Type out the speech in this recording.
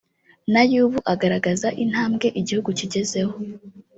n’ay’ubu agaragaza intambwe igihugu kigezeho